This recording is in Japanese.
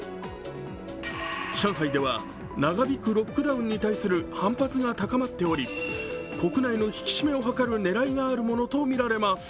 上海では長引くロックダウンに対する反発が高まっており、国内の引き締めを図る狙いがあるものとみられます。